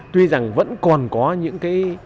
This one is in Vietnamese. tuy rằng vẫn còn có những cái